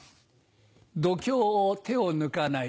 読経を手を抜かない。